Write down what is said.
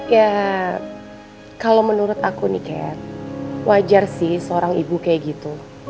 ya kalau menurut aku nih ken wajar sih seorang ibu kayak gitu